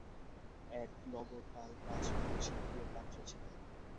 এক নগরপাল রাজমহিষীর প্রিয় পাত্র ছিল।